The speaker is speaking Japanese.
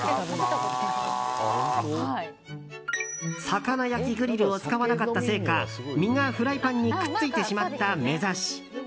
魚焼きグリルを使わなかったせいか身がフライパンにくっついてしまった、めざし。